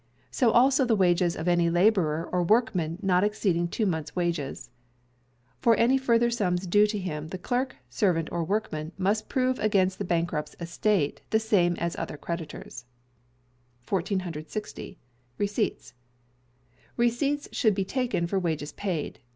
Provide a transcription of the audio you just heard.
So also the wages of any labourer or workman not exceeding two months' wages. For any further sums due to him, the clerk, servant, or workman must prove against the bankrupt's estate the same as other creditors. 1460. Receipts. Receipts should be taken for Wages paid.